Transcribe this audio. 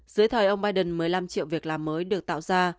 dưới thời ông biden một mươi năm triệu việc làm mới được tạo ra